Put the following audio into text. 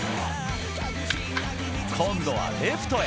今度はレフトへ。